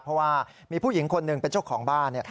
เพราะว่ามีผู้หญิงคนหนึ่งเป็นเจ้าของบ้าน